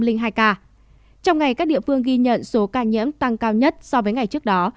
trong ngày các địa phương ghi nhận số ca nhiễm tăng cao nhất so với ngày trước đó